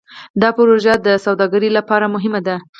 دا پروژه د سوداګرۍ لپاره مهمه ده.